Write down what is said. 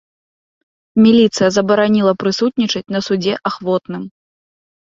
Міліцыя забараніла прысутнічаць на судзе ахвотным.